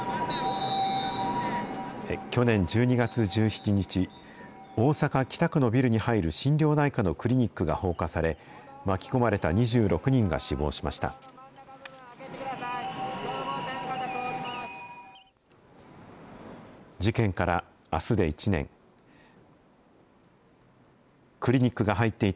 去年１２月１７日、大阪・北区のビルに入る心療内科のクリニックが放火され、巻き込まれた２６人が死亡しました。